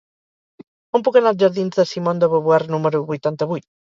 Com puc anar als jardins de Simone de Beauvoir número vuitanta-vuit?